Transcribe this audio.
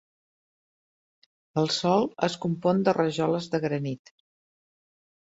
El sòl es compon de rajoles de granit.